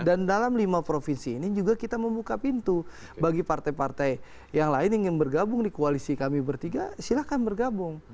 dan dalam lima provinsi ini juga kita membuka pintu bagi partai partai yang lain ingin bergabung di koalisi kami bertiga silahkan bergabung